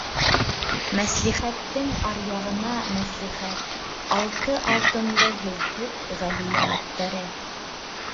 Мәслихәттең аръяғына мәслихәт, Алты Алтынлы һөҙһөт ғәли йәнәптәре...